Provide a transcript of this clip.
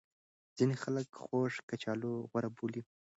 ځینې خلک خوږ کچالو غوره بولي.